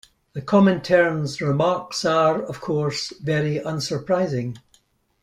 The Comintern's remarks are, of course, very unsurprising.